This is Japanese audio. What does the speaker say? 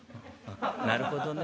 「なるほどね」。